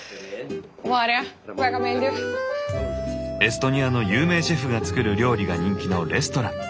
エストニアの有名シェフが作る料理が人気のレストラン。